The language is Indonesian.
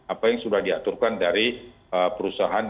apa yang sudah diaturkan dari perusahaan